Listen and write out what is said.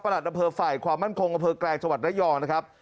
ประหละอเผอฝ่ายความมั่นคงอเผอแกลงชวัดน้อยองค์นะครับ